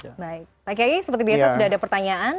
baik pak kiai seperti biasa sudah ada pertanyaan